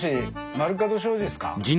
丸角商事っすか？